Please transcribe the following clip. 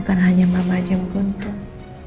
bukan hanya mama saja yang beruntung